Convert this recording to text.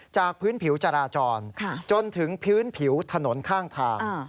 พื้นผิวจราจรจนถึงพื้นผิวถนนข้างทาง